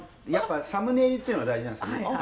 やっぱサムネイルっていうのが大事なんですよね